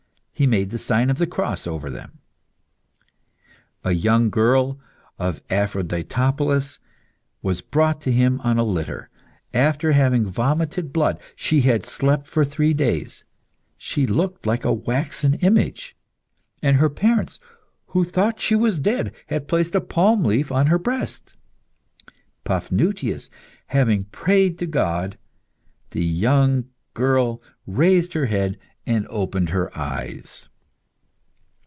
He made the sign of the cross over them. A young girl of Aphroditopolis was brought to him on a litter; after having vomited blood, she had slept for three days. She looked like a waxen image, and her parents, who thought she was dead, had placed a palm leaf on her breast. Paphnutius having prayed to God, the young girl raised her head and opened her eyes.